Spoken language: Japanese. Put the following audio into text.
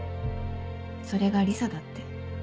それがリサだって。